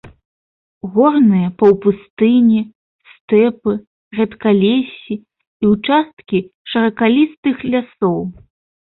Горныя паўпустыні, стэпы, рэдкалессі і ўчасткі шыракалістых лясоў.